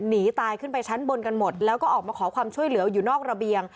หนีตายขึ้นไปชั้นบนกันหมดแล้วก็ออกมาขอความช่วยเหลืออยู่นอกระเบียง